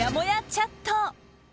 チャット。